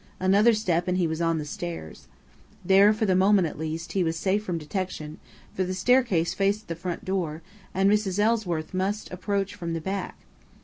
Another step and he was on the stairs. There, for the moment at least, he was safe from detection; for the staircase faced the front door, and Mrs. Ellsworth must approach from the back.